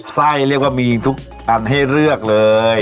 ไส้เรียกว่ามีจริงทุกอันให้เลือกเลย